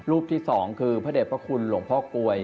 ที่๒คือพระเด็จพระคุณหลวงพ่อกลวย